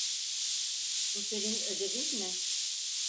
Bu senin ödevin mi?